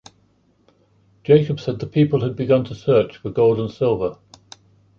Jacob said the people had begun to search for gold and silver.